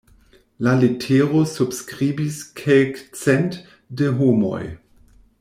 La letero subskribis kelkcent de homoj.